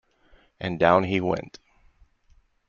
And down he went.